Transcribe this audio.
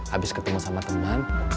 abis ketemu sama teman